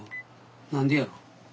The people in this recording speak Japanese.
何でやろ？